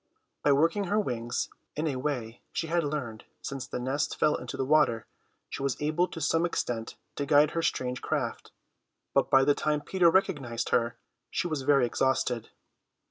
By working her wings, in a way she had learned since the nest fell into the water, she was able to some extent to guide her strange craft, but by the time Peter recognised her she was very exhausted.